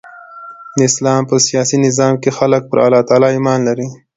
د اسلام په سیاسي نظام کښي خلک پر الله تعالي ایمان لري.